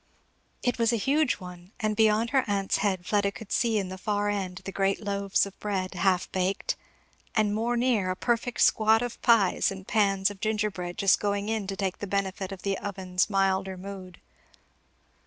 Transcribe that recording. It was a huge one, and beyond her aunt's head Fleda could see in the far end the great loaves of bread, half baked, and more near a perfect squad of pies and pans of gingerbread just going in to take the benefit of the oven's milder mood.